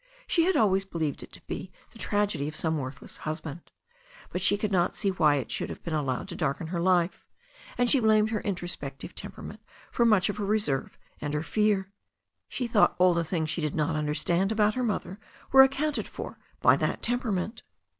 She had always believed it to be the tragedy of some worthless husband. But she could not see why it should have been allowed to darken her life, and she blamed her introspective temperament for much of her reserve and her fear. She thought all the things she did not understand about her mother were accounted for by that temperament.